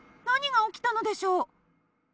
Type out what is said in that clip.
何が起きたのでしょう？